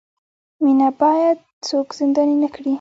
مینه باید څوک زنداني نه کړي.